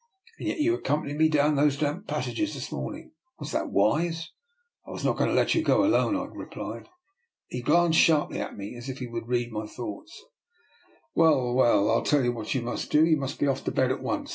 And yet you accompanied me down to those damp passages this morning. Was that wiser ? I was not going to let you go alone," I replied. He glanced sharply at me, as if he would read my thoughts. " Well, well, I'll tell you what you must do: you must be off to bed at once.